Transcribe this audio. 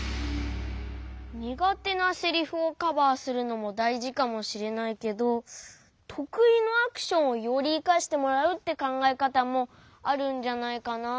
にがてなセリフをカバーするのもだいじかもしれないけどとくいのアクションをよりいかしてもらうってかんがえかたもあるんじゃないかな。